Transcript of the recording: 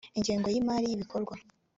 ingengo y imari y ibikorwa